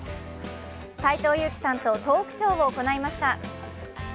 斎藤佑樹さんとトークショーを行いました。